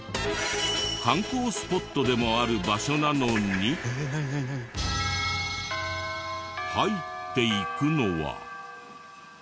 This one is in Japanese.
観光スポットでもある場所なのに入っていくのは。